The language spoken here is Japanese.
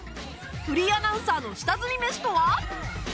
フリーアナウンサーの下積みメシとは？